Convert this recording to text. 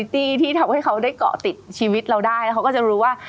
ที่ทำให้เขาได้เกาะติดชีวิตเราได้แล้วเขาก็จะรู้ว่า